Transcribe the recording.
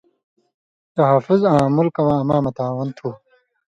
تحفظ آں مُلکہ واں اما مہ تعاون تُھو۔